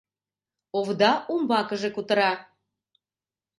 Овда умбакыже кутыра: